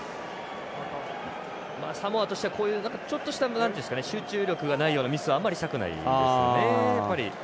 サモアとしてはちょっとした集中力がないようなミスはあんまりしたくないですよね。